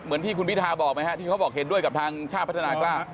ที่คุณพิทาบอกไหมฮะที่เขาบอกเห็นด้วยกับทางชาติพัฒนากล้า